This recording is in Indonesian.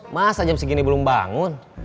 masa jam segini belum bangun